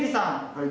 はい。